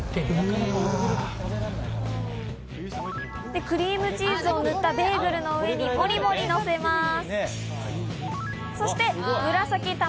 で、クリームチーズを塗ったベーグルの上にモリモリのせます。